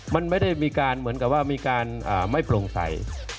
มันไม่ได้มีการเหมือนกับว่ามีการไม่โปร่งใส